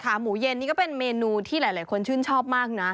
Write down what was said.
หมูเย็นนี่ก็เป็นเมนูที่หลายคนชื่นชอบมากนะ